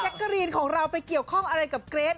กะรีนของเราไปเกี่ยวข้องอะไรกับเกรท